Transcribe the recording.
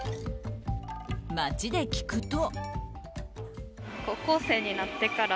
街で聞くと。